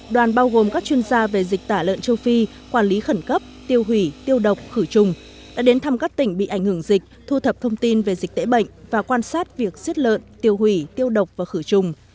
đoàn bao gồm các chuyên gia về dịch tả lợn châu phi quản lý khẩn cấp tiêu hủy tiêu độc khử trùng đã đến thăm các tỉnh bị ảnh hưởng dịch thu thập thông tin về dịch tễ bệnh và quan sát việc giết lợn tiêu hủy tiêu độc và khử trùng